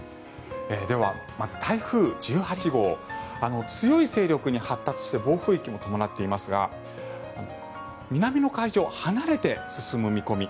ではまず台風１８号強い勢力に発達して暴風域も伴っていますが南の海上、離れて進む見込み。